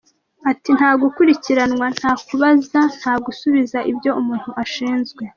Ati “Nta gukurikiranwa, nta kubaza, nta gusubiza ibyo umuntu ashinzwe.